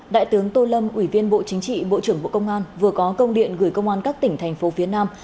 đại tướng tô lâm ủy viên bộ chính trị bộ trưởng bộ công an vừa có công điện gửi công an các tỉnh thành phố phía nam